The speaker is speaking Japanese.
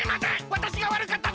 わたしがわるかったです！